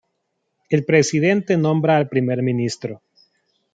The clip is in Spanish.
El presidente nombra al primer ministro.